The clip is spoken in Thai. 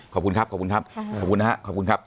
ขอบคุณครับขอบคุณครับขอบคุณนะครับขอบคุณครับ